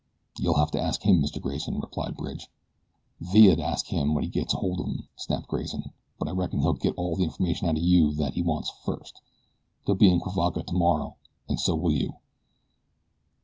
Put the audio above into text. "You'll have to ask him, Mr. Grayson," replied Bridge. "Villa'll ask him, when he gits holt of him," snapped Grayson; "but I reckon he'll git all the information out of you thet he wants first. He'll be in Cuivaca tomorrer, an' so will you."